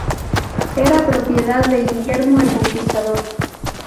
Era propiedad de Guillermo el Conquistador.